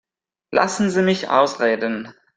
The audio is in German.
Lassen Sie mich ausreden.